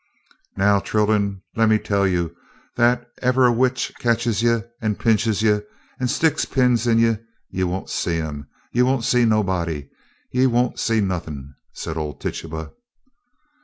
"Now, chillun, lem me tell ye, dat ef ebber a witch catches ye, and pinches ye, and sticks pins in ye, ye won't see 'em, ye won't see nobody, ye won't see nuffin," said old Tituba.